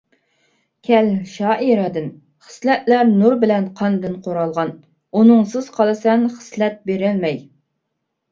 («كەل شائىرە»دىن) خىسلەتلەر نۇر بىلەن قاندىن قۇرالغان، ئۇنىڭسىز قالىسەن خىسلەت بېرەلمەي.